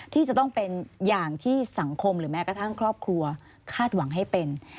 ที่จะต้องเป็นอย่างที่สังคมหรือแม้กระทั่งครอบครัวคาดหวังให้เป็น